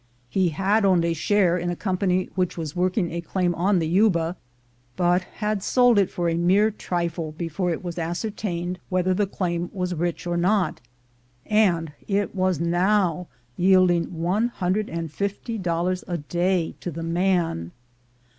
He had owned a share in a company which was working a claim on the Yuba, but had sold it for a mere trifle before it was ascer tained whether the claim was rich or not, and it was now yielding 150 dollars a day to the man.